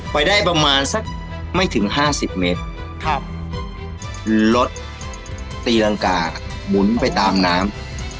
ไปได้ประมาณสักไม่ถึงห้าสิบเมตรครับรถตีรังกาหมุนไปตามน้ำ